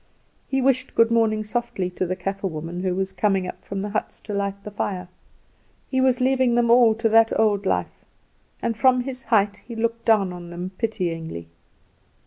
He wished good morning softly to the Kaffer woman who was coming up from the huts to light the fire. He was leaving them all to that old life, and from his height he looked down on them pityingly.